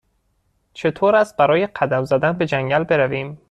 چطور است برای قدم زدن به جنگل برویم؟